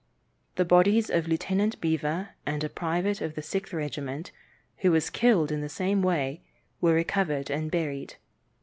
The bodies of Lieutenant Beever and a private of the Sixth Regiment, who was killed in the same way, were recovered and buried.